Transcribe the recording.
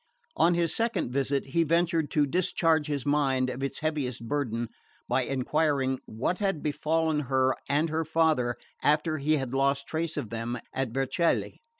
On his second visit he ventured to discharge his mind of its heaviest burden by enquiring what had befallen her and her father after he had lost trace of them at Vercelli.